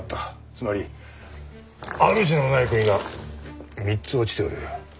つまり主のない国が３つ落ちておる。